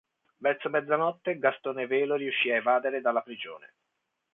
Verso mezzanotte Gastone Velo riuscì ad evadere dalla prigione.